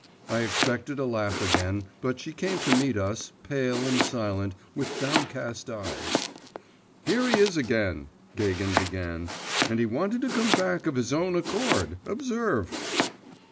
I expected a laugh again; but she came to meet us, pale and silent, with downcast eyes. 'Here he is again,' Gagin began, 'and he wanted to come back of his own accord, observe.